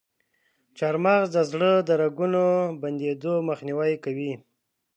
چارمغز د زړه د رګونو بندیدو مخنیوی کوي.